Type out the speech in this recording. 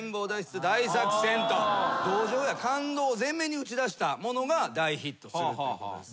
同情や感動を前面に打ち出したものが大ヒットするということですね。